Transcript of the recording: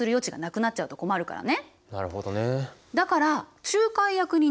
なるほどね。